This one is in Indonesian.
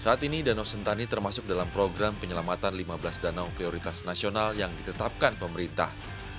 saat ini danau sentani termasuk dalam program penyelamatan lima belas danau prioritas nasional yang ditetapkan pemerintah